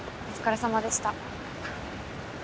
お疲れさまでした。